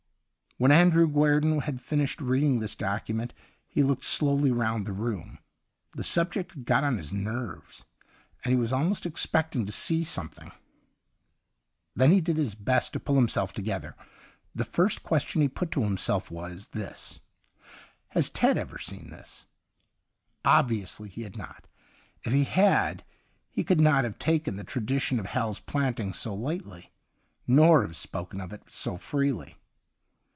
When Andrew Guerdon had finished reading this document, he looked slowly round the room. The subject had got on his nerves, and he was almost expecting to see •something. Then he did his best to pull himself together. The first question he put to himself was this :' Has Ted ever seen this ? Obviously he had not. If he had, he could not have taken the tradi tion of Hal's Planting so lightly, nor have spoken of it so freely.